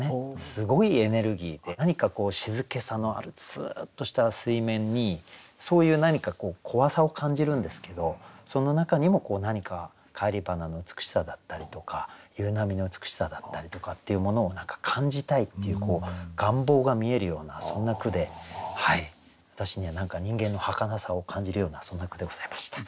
すごいエネルギーで何か静けさのあるスッとした水面にそういう何か怖さを感じるんですけどその中にも何か返り花の美しさだったりとか夕波の美しさだったりとかっていうものを感じたいっていう願望が見えるようなそんな句で私には人間のはかなさを感じるようなそんな句でございました。